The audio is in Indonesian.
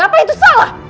apa itu salah